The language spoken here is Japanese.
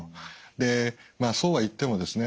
でそうは言ってもですね